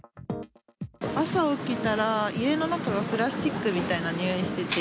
朝起きたら、家の中がプラスチックみたいな臭いしてて。